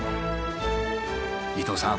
伊東さん